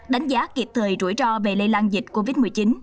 đánh giá kịp thời rủi ro về lây lan dịch covid một mươi chín